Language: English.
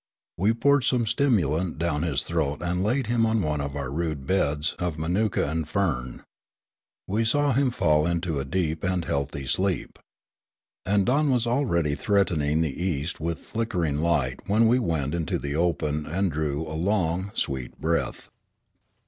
We poured some stimulant down his throat and laid him on one of our rude beds of manuka and fern. We saw him fall into a deep and healthy sleep. And dawn was alread}' threatening the east with flickering light when we went into the open and drew a long, sweet breath.